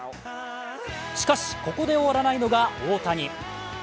しかしここで終わらないのが大谷。